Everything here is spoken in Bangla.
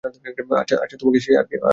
আচ্ছা তোমাকে সে আর কি কি বলেছে?